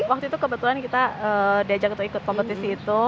waktu itu kebetulan kita diajak untuk ikut kompetisi itu